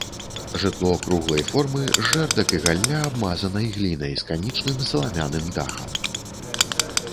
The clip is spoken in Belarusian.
Жытло круглай формы, з жэрдак і галля, абмазанай глінай, з канічным саламяным дахам.